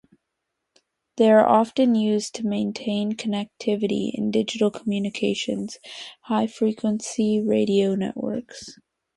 They are often used to maintain connectivity in digital communications high frequency radio networks.